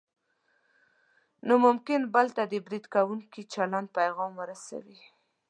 نو ممکن بل ته د برید کوونکي چلند پیغام ورسوي.